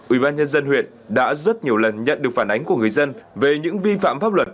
ubnd huyện đã rất nhiều lần nhận được phản ánh của người dân về những vi phạm pháp luật